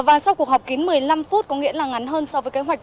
và sau cuộc họp kín một mươi năm phút có nghĩa là ngắn hơn so với kế hoạch